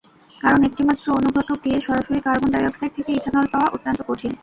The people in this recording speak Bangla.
কারণ একটিমাত্র অনুঘটক দিয়ে সরাসরি কার্বন ডাই-অক্সাইড থেকে ইথানল পাওয়া অত্যন্ত কঠিন।